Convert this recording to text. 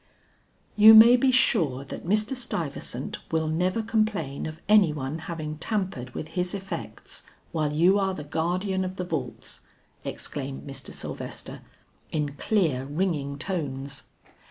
"You may be sure that Mr. Stuyvesant will never complain of any one having tampered with his effects while you are the guardian of the vaults," exclaimed Mr. Sylvester in clear ringing tones.